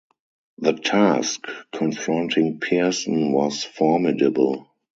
The task confronting Pearson was formidable.